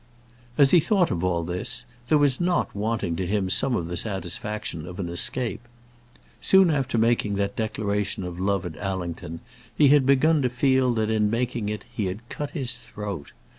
As he thought of all this, there was not wanting to him some of the satisfaction of an escape. Soon after making that declaration of love at Allington he had begun to feel that in making it he had cut his throat.